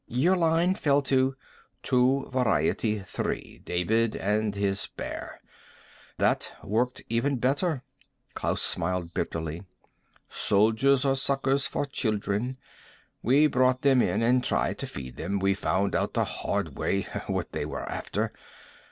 "Your line fell to " "To Variety Three. David and his bear. That worked even better." Klaus smiled bitterly. "Soldiers are suckers for children. We brought them in and tried to feed them. We found out the hard way what they were after.